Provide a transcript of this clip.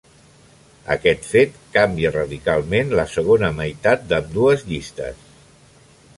Aquest fet canvia radicalment la segona meitat d'ambdues llistes.